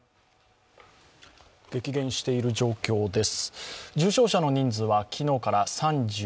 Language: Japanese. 激減している状況です。